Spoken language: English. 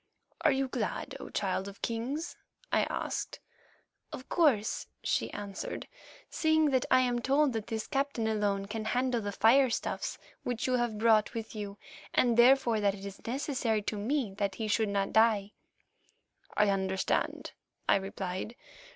"Are you glad, O Child of Kings?" I asked. "Of course," she answered, "seeing that I am told that this captain alone can handle the firestuffs which you have brought with you, and, therefore, that it is necessary to me that he should not die." "I understand," I replied.